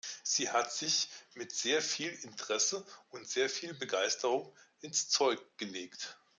Sie hat sich mit sehr viel Interesse und sehr viel Begeisterung ins Zeug gelegt.